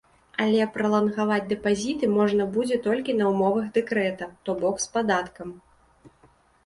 Але пралангаваць дэпазіты можна будзе толькі на ўмовах дэкрэта, то бок з падаткам.